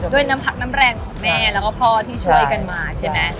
ด้วยน้ำพักน้ำแรงของแม่แล้วก็พ่อที่ช่วยกันมาใช่ไหม